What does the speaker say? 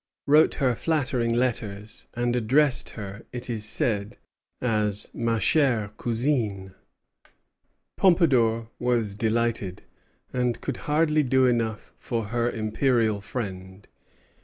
wrote her flattering letters, and addressed her, it is said, as "Ma chère cousine." Pompadour was delighted, and could hardly do enough for her imperial friend.